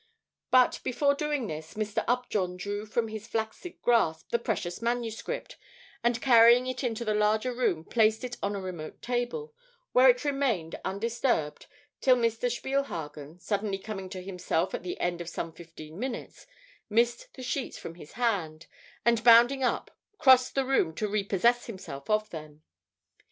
But before doing this, Mr. Upjohn drew from his flaccid grasp, the precious manuscript, and carrying it into the larger room placed it on a remote table, where it remained undisturbed till Mr. Spielhagen, suddenly coming to himself at the end of some fifteen minutes, missed the sheets from his hand, and bounding up, crossed the room to repossess himself of them.